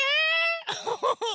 ウフフフ！